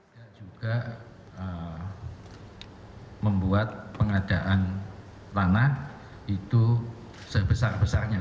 kita juga membuat pengadaan tanah itu sebesar besarnya